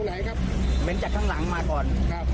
มันมีกลิ่นเม้นครับหมาทางหลังมาก่อน